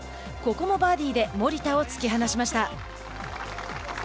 ここもバーディーで森田を突き放しました。